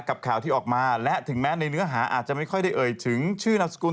กับข่าวที่ออกมาและถึงแม้ในเนื้อหาอาจจะไม่ค่อยได้เอ่ยถึงชื่อนามสกุล